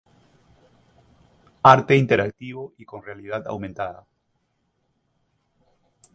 Arte interactivo y con Realidad Aumentada.